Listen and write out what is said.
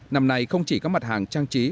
năm nay không chỉ các mặt hàng trang trí